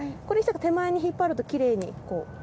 これで手前に引っ張るときれいにこう。